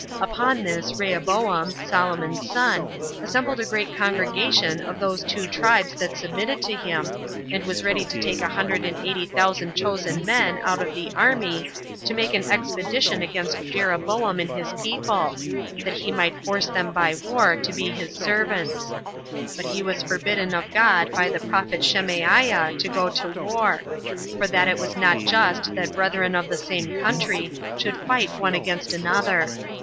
Upon this Rehoboam, Solomon's son, assembled a great congregation of those two tribes that submitted to him, and was ready to take a hundred and eighty thousand chosen men out of the army, to make an expedition against Jeroboam and his people, that he might force them by war to be his servants; but he was forbidden of God by the prophet [Shemaiah] to go to war, for that it was not just that brethren of the same country should fight one against another.